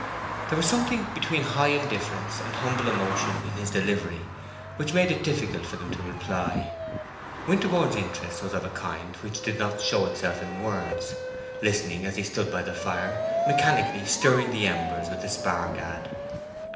There was something between high indifference and humble emotion in his delivery, which made it difficult for them to reply. Winterborne's interest was of a kind which did not show itself in words; listening, he stood by the fire, mechanically stirring the embers with a spar gad.